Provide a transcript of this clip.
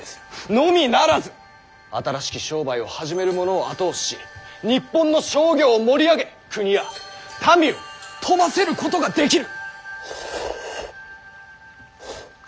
のみならず新しき商売を始める者を後押しし日本の商業を盛り上げ国や民を富ませることができる！